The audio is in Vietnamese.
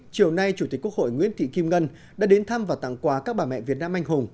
chiều nay chủ tịch quốc hội nguyễn thị kim ngân đã đến thăm và tặng quà các bà mẹ việt nam anh hùng